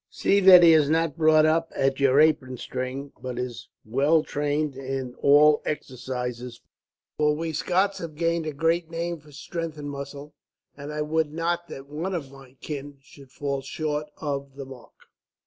"See that he is not brought up at your apron string, but is well trained in all exercises; for we Scots have gained a great name for strength and muscle, and I would not that one of my kin should fall short of the mark."